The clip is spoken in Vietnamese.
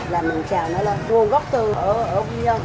là mình chào nó lên vô góc tư ở quy nhơn